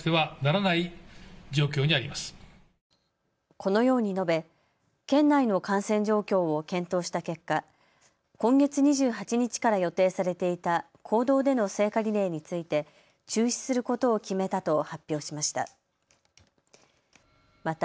このように述べ県内の感染状況を検討した結果、今月２８日から予定されていた公道での聖火リレーについて中止することを決めたと発表しました。